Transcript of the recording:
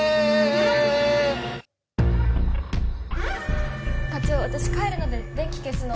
えっ？